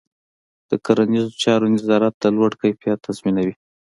د کرنيزو چارو نظارت د لوړ کیفیت تضمینوي.